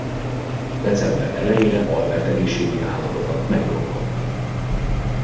December elejére Albert egészségi állapota megromlott.